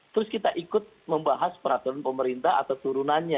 terus kita ikut membahas peraturan pemerintah atau turunannya